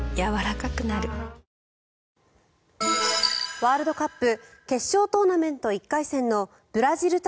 ワールドカップ決勝トーナメント１回戦のブラジル対